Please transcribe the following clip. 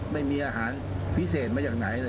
ไม่มีอาหารพิเศษมาจากไหนเลย